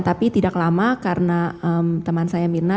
tapi tidak lama karena teman saya mirna